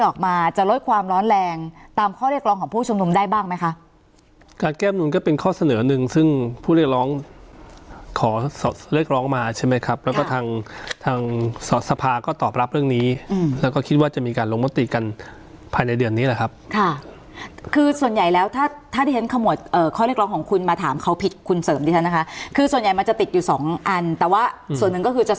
การแก้บนูญก็เป็นข้อเสนอหนึ่งซึ่งผู้เรียกร้องขอสอดเรียกร้องมาใช่ไหมครับแล้วก็ทางทางสอดสภาก็ตอบรับเรื่องนี้อืมแล้วก็คิดว่าจะมีการลงมติกันภายในเดือนนี้แหละครับค่ะคือส่วนใหญ่แล้วถ้าถ้าเห็นขมวดเอ่อข้อเรียกร้องของคุณมาถามเขาผิดคุณเสริมที่ฉันนะคะคือส่วนใหญ่มันจะติดอยู่สองอันแต่